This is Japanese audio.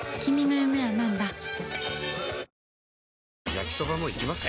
焼きソバもいきます？